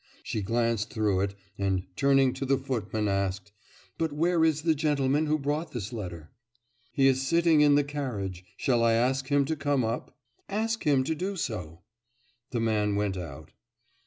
She glanced through it, and turning to the footman asked: 'But where is the gentleman who brought this letter?' 'He is sitting in the carriage. Shall I ask him to come up?' 'Ask him to do so.' The man went out.